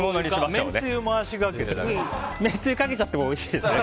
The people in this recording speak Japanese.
めんつゆかけちゃってもおいしいですね。